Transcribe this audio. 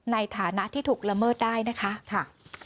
ในฐานะที่ถูกละเมิดได้นะคะ